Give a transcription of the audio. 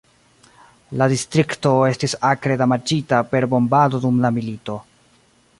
La distrikto estis akre damaĝita per bombado dum la milito.